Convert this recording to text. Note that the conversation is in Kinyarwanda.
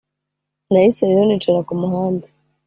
nahise rero nicara kumuhanda